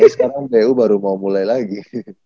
sekarang pu baru mau mulai lagi